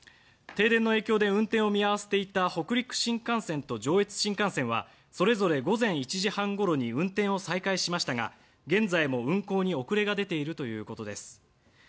停電の影響で運転を見合わせていた北陸新幹線と上越新幹線はそれぞれ午前１時半ごろに運転を再開しましたが現在も運行に遅れが出ているということです。